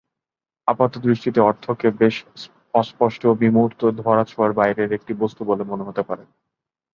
আপাতদৃষ্টিতে অর্থকে বেশ অস্পষ্ট, বিমূর্ত, ধরা-ছোঁয়ার বাইরের একটি বস্তু বলে মনে হতে পারে।